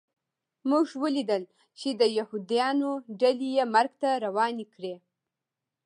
موږ ولیدل چې د یهودانو ډلې یې مرګ ته روانې کړې